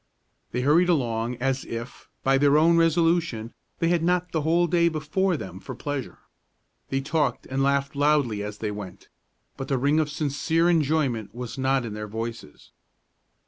They hurried along, as if, by their own resolution, they had not the whole day before them for pleasure. They talked and laughed loudly as they went, but the ring of sincere enjoyment was not in their voices.